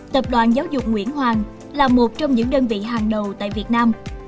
tập đoàn giáo dục nguyễn hoàng là một trong những đơn vị hàng đầu tại việt nam